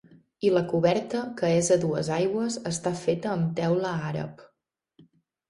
I la coberta que és a dues aigües està feta amb teula àrab.